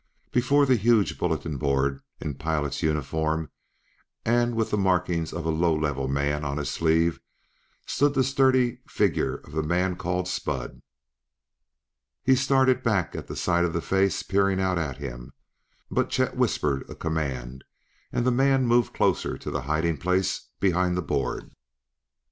Before the huge bulletin board, in pilot's uniform and with the markings of a low level man on his sleeve, stood the sturdy figure of the man called Spud. He started back at sight of the face peering out at him, but Chet whispered a command, and the man moved closer to the hiding place behind the board.